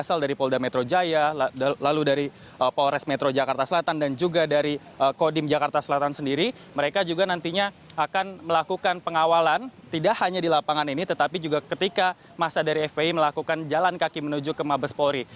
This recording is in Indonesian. berasal dari polda metro jaya lalu dari polres metro jakarta selatan dan juga dari kodim jakarta selatan sendiri mereka juga nantinya akan melakukan pengawalan tidak hanya di lapangan ini tetapi juga ketika masa dari fpi melakukan jalan kaki menuju ke mabes polri